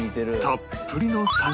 たっぷりの山椒